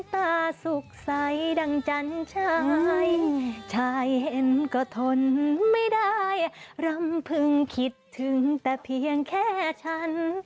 ตาสุขใสดังจันชายชายเห็นก็ทนไม่ได้รำพึงคิดถึงแต่เพียงแค่ฉัน